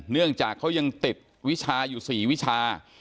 เนื่องจากเขายังติดวิชาอยู่๔วิชา